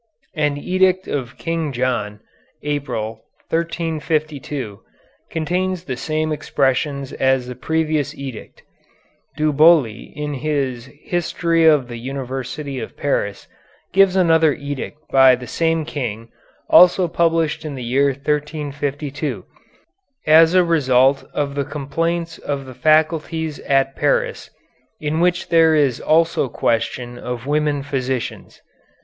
An edict of King John, April, 1352, contains the same expressions as the previous edict. Du Bouley, in his 'History of the University of Paris,' gives another edict by the same King, also published in the year 1352, as a result of the complaints of the faculties at Paris, in which there is also question of women physicians.